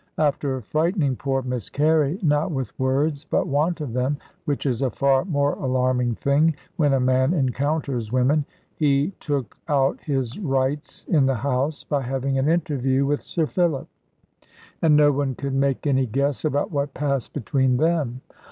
After frightening poor Miss Carey, not with words, but want of them (which is a far more alarming thing, when a man encounters women), he took out his rights in the house by having an interview with Sir Philip; and no one could make any guess about what passed between them.